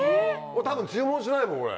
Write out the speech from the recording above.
俺多分注文しないもんこれ。